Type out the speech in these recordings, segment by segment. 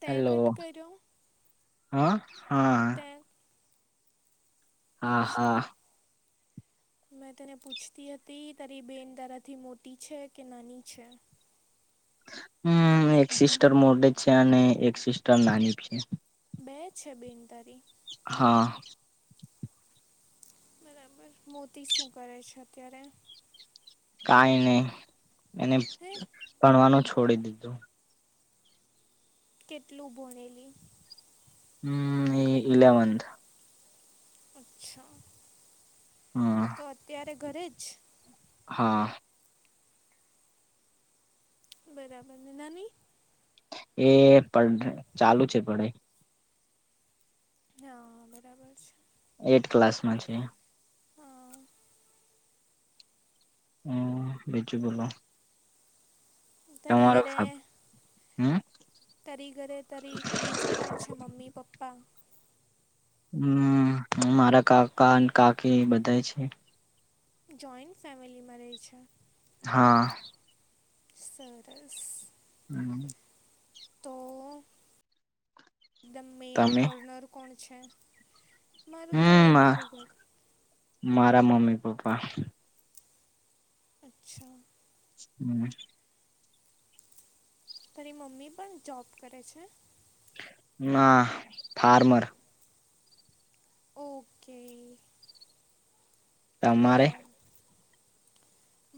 તે hello cut કર્યો હા હા હમ હા અચ્છા હા મેં તેને પૂછતી હતી તારી બેન તારાથી મોટી છે કે નાની છે. હમ એક સિસ્ટર મોટે છે અને એક સિસ્ટર નાની છે. બે છે બેન તરી? હા. બરાબર મોતી શું કરે છે અત્યારે કઈ નહી એને હે ભણવાનું છોડી દીધું. કેટલું ભણેલી હમ એ ઇલેવનથ. અચ્છા હા તો અત્યારે ઘરે જ હા બરાબર ને નાની એ પ ચાલુ છે પઢાઈ હા બરાબર છે. એટ ક્લાસમાં છે. હા હ બીજું બોલોલો તરી ઘરે હમ તરી ઘરે તરી બીજું કોણ છે મમ્મી પપ્પા હમ હ મારા કાકા અને કાકી બધા છે. જોઈન્ટ ફેમલીમાં રહે છે. હા સરરસ હમ તો એક દમ મેન તમે અર્નર કોણ છે મારું તો હમ એકલું ઘર મારા મમ્મી પપ્પા અચ્છા હમ તરી મમ્મી પણ જોબ કરે છે. ના ફાર્મર ઓકે તમારે બરાબર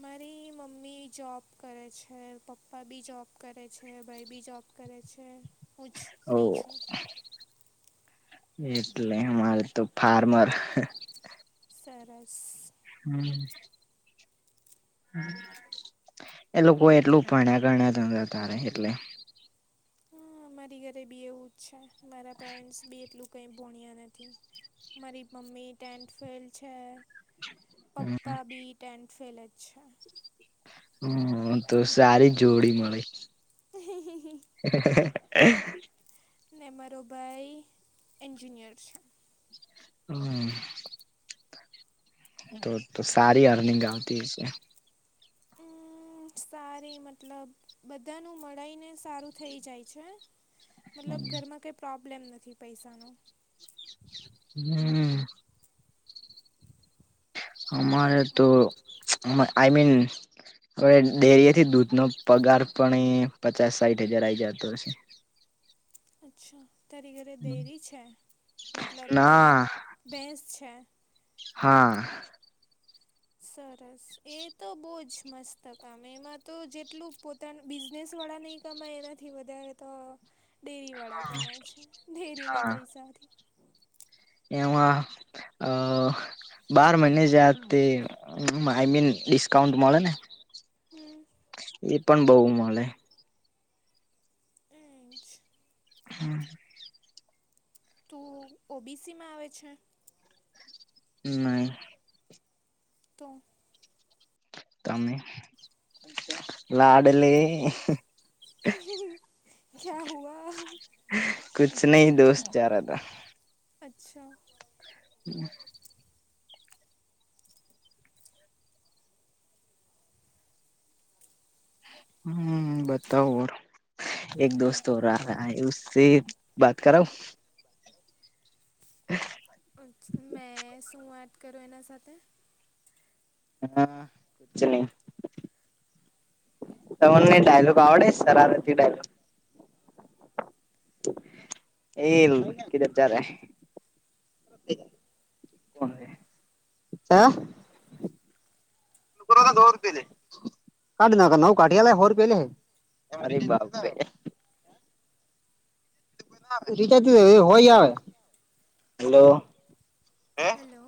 મારી મમ્મી જોબ કરે છે પપ્પા બી જોબ કરે છે ભાઈ બી જોબ કરે છે. હું જ ઓ ફ્રી છું એટલે અમારે તો ફાર્મર સરસ હમ એ લોકો એટલું ભણ્યા ઘણ્યા તારે એટલે હા મારી ઘરે બી એવું જ છે મારા પેરેન્ટ્સ બી એટલું ક ભોણ્યા નથી મારી મમ્મી ટે ફેલ છે. પપ્પા બી ટન્ડ ફેલ છે. હમ તો સારી જોડી મળી. હમ હ હ [inaudible] ને મારો ભાઈ એન્જિનિયર છે. હમ. તો તો સારી અર્નિંગ આવતી હશે. હ સારી મતલબ બધા ન મળીને સારું થઇ જાય છે. મતલબ ઘરમાં કંઈ પ્રોબ્લેમ નથી પૈસાનો. હમ અરે તો આઈમન હવે ડેરીથી દૂધ નો પગાર પણ એ પચાસ સાઠ હજાર આવી જતો હશે. અચ્છા તારી ઘરે ડેરી છે મતલબ ના તારા ભેંસ છે. હા. સરસ એ તો બહુ જ મસ્ત કામ એમાં તો જેટલું પો ત બિઝનેસવાળા નહીં કમાય એનાથી વધારે તો ડેરીવાળા કમાય છે ડેરીના પૈસાથી. એવા. બાર મહિને જે તે આઈ મીન ડિસ્કાઉન્ટ મળે ને. હમ. એ પણ બઉુ મળે. પંચ. હા. ઓબીસી માં આવે છે. નઇ. તો. તમે લાડલી. ક્યા હુઆ. કુછ નહી દોસ્ત જારા તા. અચ્છા. હમ. હમ બતાવ ઓર. એક દોસ્ત ઓર આ રહ હૈ ઉસે બાત કરાઉ. હ. અછ મેં શું વાત કરું એના સાથે. હા કછ નહી. તમને ડાયલોગ આવડે છે સરરતી ડાયલોગ એઉ કિધર જાયાર હા. [unintelligible] કાઢ ના નવું કાઢી આલ હો રૂપિયા લે હ. અરે બાપ રે. ર [unintelligible] હોય આવે, હલો હે. હલો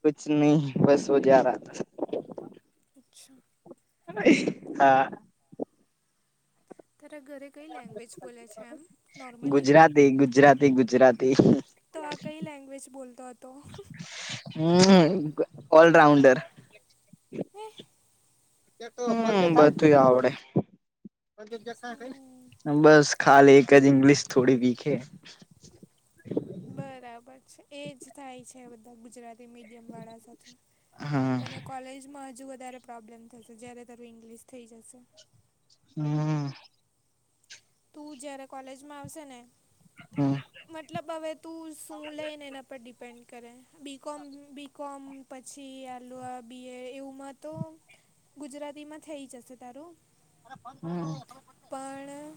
કુછ નહી બસ હો જા રહા થા. અચ્છા. હા. તારા ઘરે કઈ લેંગ્વેજ બોલે છે એમ નોર્મલી. તે ગુજરાતી ગુજરાતી. તો આ કઈ લેંગ્વેજ બોલતો હતો. હમ ઓલરાઉન્ડર. વહ. હમ બધું આવડે. હમ, બસ ખાલી એક જ ઇંગ્લિશ થોડી વીક હ. બરાબર છે એજ થાય છે બધા ગુજરાતી હમ કોલેજમાં હજ વધ પ્રોબ્લેમ થશે જ્યારે તારું ઇંગ્લિશ થઈ જશે. હમ. તું જયારે કોલેજમાં આવશે ને. હમ. મતલબ હવે તું શું લઈને એના પર ડિપેન્ડ કરે બીકોમ બી. કોમ પછી એલઆ બિયર એવુંમાં તો. ગુજરાતી માં થઈ જશે તારું. [inaudible] પણ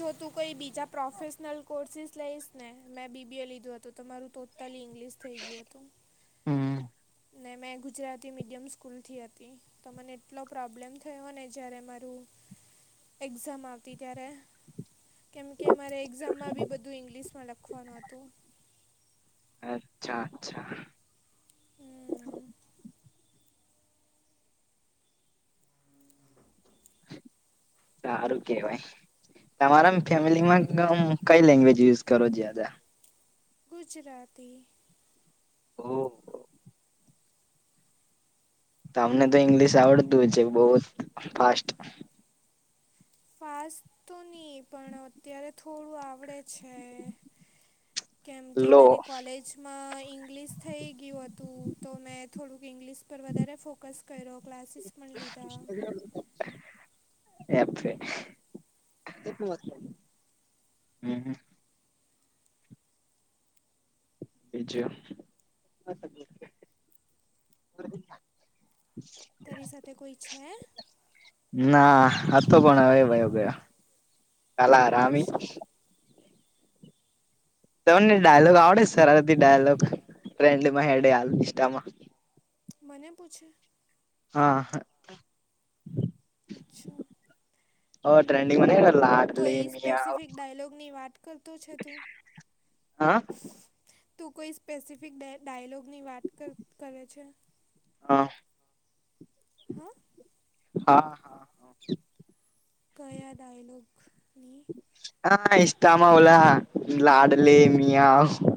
જો તું કોઈ બીજા પ્રોફેશનલ કોર્સિસ. ઈ ને મેં બીબી એ લીધું હતું તો મારું ટોટલી ઇંગ્લિશ થઈ ગયું હતું. હમ. ને મેં ગુજરાતી મીડિયમ સ્કૂલથી હતી. તો મને એટલો પ્રોબ્લેમ થયો ને જયારે મારું. એક્ઝામ આવતી ત્યારે. કેમકે મામારે એક્ઝામમાં બી બધું ઇંગ્લિશમાં લખવાનું હતું. અચ્છા અચ્છા. હમ. હમ હ. સારું કેવાય. તમારા ફેમિલીમાં કઈ લેંગ્વેજ યુઝ કરો છ આ. ગુજરાતી. હમ. તમને તો ઇંગ્લિશ આવડતું છે બહુ જ ફાસ્ટ. ફાસ્ટ તો નહીં પણ અત્યારે થોડું આવડે છે. કેમ કે લો મારી કોલેજમાં ઇંગ્લિશ થઈ ગયું હતું તો મેં થોડુંક ઇંગ્લિશ. પર વધારે ફોકસ કરો ક્લાસીસ પણ લીધા. એપે. હમ હમ. બીજું. [inaudible] તરી સાથે કોઈ છે. ના હતો પણ હવે ભયો ગયો કાાલ આરામી. અચ્છા, તમને ડાયલોગ આવડે સરળથી ડાયલોગ ટ્રેન્ડ માં હેડે હાલ નિામાં. મને પૂછે. હા. પૂ્છો. ઓ ટ્રેન્ડિંગમાં ન લાડલી કોઈ મિયા. સ્પેસિફિક ડાયલોગની વાત કરતો છે તું હા. તું કોઈ સ્પેસિફિક ડ ડાયલોગની વાત કર કરે છે. હા. હા. હા. કયા ડાયલોગની. [unintelligible]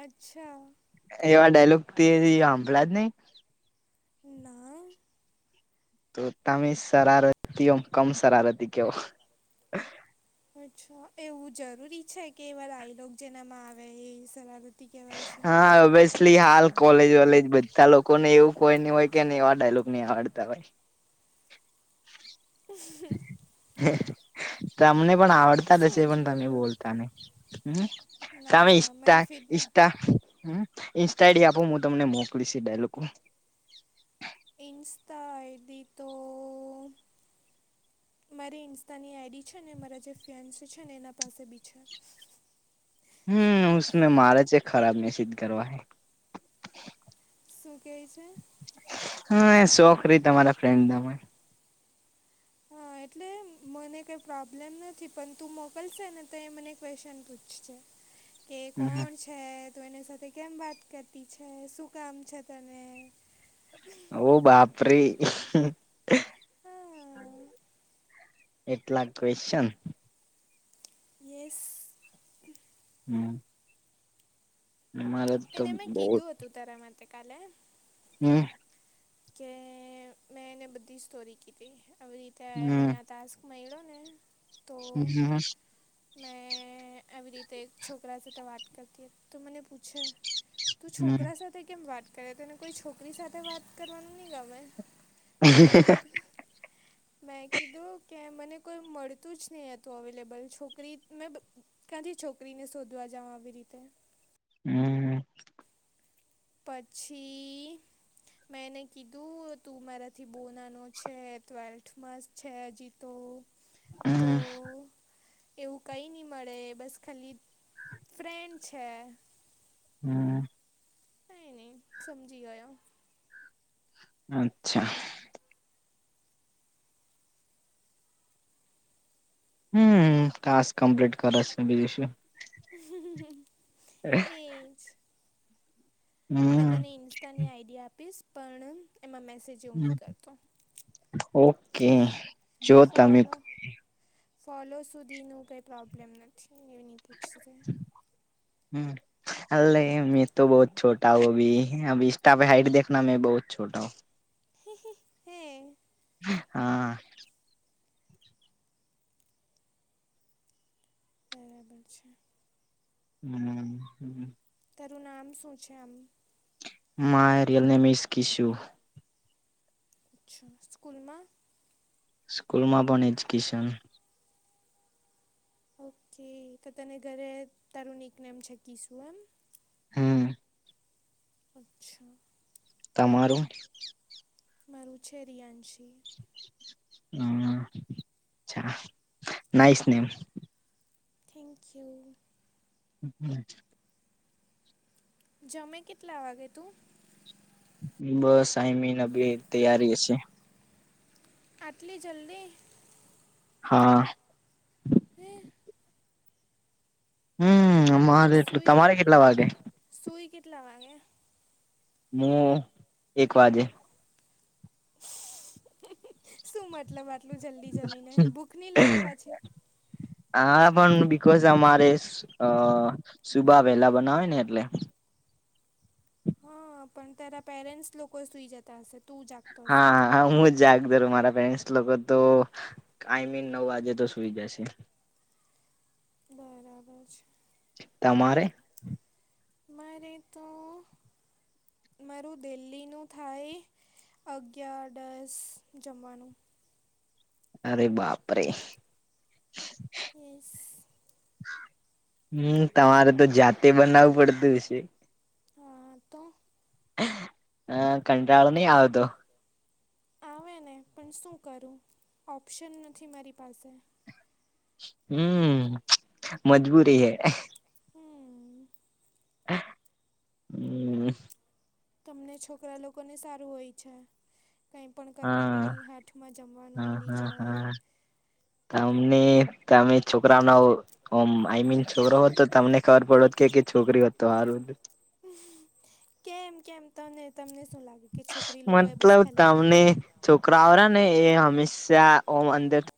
અચ્છા. એવા ડાયલોગ તે સાંભળ જ નઈ ના. તો તમે શરારતી ઓમ કમ શરારતી કયો? અચ્છા એવું જરૂરી છે કે એવા ડાયલોગ જેનામાં આવે એ સરારત હા [unintelligible] ફલી હાલ કોલેજ વોલેજ બધા લોકોને એવું કોઈ ની હોય કે એને એવા ડાયલોગ ની આવડતા હોય. હ [unintelligible] તમને પણ આવડતા રહેશે શું જ પણ તમે બોલું બોલતા નહી. હમ તમેમે ના ષ્ટ મારી ફીડમાં ષ્ટ હમ. ઇન્સ્ટા આઈડી આપો હું તમને મોકલીશ ડાયલો. ઇન્સ્ટા ઈડી તો. મારી ઇન્સ્ટતાની આઈડી છે ને મારા જે ફેન્સ છે ને એના પાસે બી છે. હમમે માારજ એક ખરાબ મેસીત કરવાવા. શું કેય છે? હહ શોખરી તમારા ફ્રેન્ડના માં હહ એટલે મને કંઈ પ્રોબ્લેમ નથી પન તું મોકલશે ને તો એ મને ક્વેશ્ચન પૂછશે. કે કોન હમ છ છે તું એની સાથે કેમ વાત કરતી છે, શું કામ છે તને? ઓહ બાપરે! હા એટલા ક્વેશચન? યેસ હમ માર ત એને મેં કીધું હતું તારા માટે કાલે. હમ કે મેં એને બધી સ્ટોરી કીધી આવી રીતે એ હમ મને આ ટાસ્ક મળ્યો ને તો. હમ મેં આવી રીતે એક છોકરા સાથે વાત કરતી હત તો મને પૂછે. તું છોકરા સાથે કેમ વાત કરે તને કોઈ છોકરી સાથે વાત કરવાનું ની ગમે? હમ મેં કીધું મેં કીધું કે મને કોઈ મળતું જ નહીં હતું અવેલેબલ છોકરી મેં બ કાથી છોકરીને શોધવા જાઉં આવી રીતે. હમ હમ પછી મેં એને કીધું તું મારાથી બો નાનો છે ટ્વેલ્થમાં જ છે હજી તું. તો હમ એવું કઈ ની મળે બસ ખાલી ફ્રેન્ડ છે. હમ કાઈ નહી સમજી ગયો. અચ્છા. હમ ટાસ્ક કમ્પ્લીટ કરે સે બીજું શું. એ જ મેં તને ઇન્સ્ટાની આઈડી આપીશ પણ એમાં મેસેજ. એવું હમ નહીં કરતો ઓકે જો તમે ફોલો ફોલો સુધીનું કઈ પ્રોબ્લેમ નથી એની પૂછશે. હમ અલે મેં તો બહુત છોટા હું અભી અભી ઇનસ્ટાપે હાઈટ દેખના મેં બહુત છોટા હું. હે? હા બરાબર છે. હમ હહ તારું નામ શું છે આમ? My real name is કીસુ. અચ્છા સ્કૂલમાં. સ્કૂલમાં પણ એજ્યુકેશન. ઓકે તો તને ઘરે તારુ નીકનેમ છે કીશું એમ? હમ અચ્છા તમારું? મારું છે રિયાંશી. હા અચ્છા નાઈસ નેમ. થેન્ક્યુ. [unintelligible] જમે કેટલા વાગે તું. બસ આઈ મીન‌ અભી તૈયારી છે. આટલી જલ્દી હા હમ હમ અરે એટલું તમારે કેટલા વાગે. સુઈ કેટલા વાગે. હું એક વાજે. [unintelligible] શું મતલબ આટલું જલ્દી જમીને ભૂખ નઈ લાગે પાછી હા પણ બિકોઝ અમારે અ સુબા વહેલા બનાવે ને એટલે હ પણ તાર પેરેન્ટ્સ લોકો સુઈ જતા તા હશે તું જા હા હું જક મારા પેરેન્ટ લોકો તો આઈ મીન નવ વાગે તો સુઈ જશે. બરાબર છે તમારે મારે તો મારું ડેલીનુ થાય. અગયાર દસ જમવાનું. અરે બાપરે એસ હમ તમારે તો જાતે બનાવવું પડતું હશે. હા તો હ કંટાળો નહિ આવતો. આવે ને પણ શું કરું ઓપ્શન નથી મારી પાસે હમ મજબૂરી હે. હમ હમ તમને છોકરા લોકોને સારું હોય છે. કાંઈ પણ કરવાનું હા નહીં હાથમાં જમવાનું મળી જાય. તમની તમે છોકરા ન ઓમ આઈ મીન છોકરો હોત તો તમને ખબર પડત કે છોકરી હોત તો હારું કેમ કેમ તને તમને શું લાગે કે છોકરી લોકો એ બસ મતલબ ખાલી તમને છોકરાઓરા ને એ હંમેશા ઓમ અંદર